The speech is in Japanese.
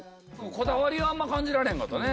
こだわりはあんま感じられへんかったね。